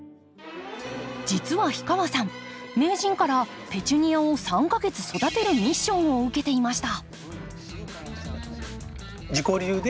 実は氷川さん名人からペチュニアを３か月育てるミッションを受けていました。